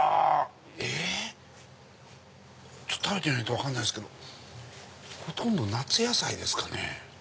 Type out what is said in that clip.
え⁉食べてみないと分かんないけどほとんど夏野菜ですかね。